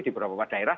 di beberapa daerah